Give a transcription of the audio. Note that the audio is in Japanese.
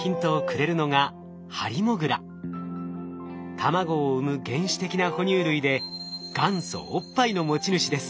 卵を産む原始的な哺乳類で元祖おっぱいの持ち主です。